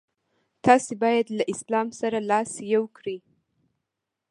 تاسي باید له اسلام سره لاس یو کړئ.